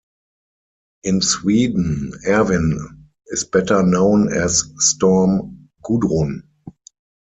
In Sweden Erwin is better known as Storm Gudrun.